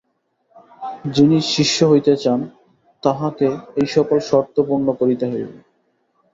যিনি শিষ্য হইতে চান, তাঁহাকে এই সকল শর্ত পূর্ণ করিতে হইবে।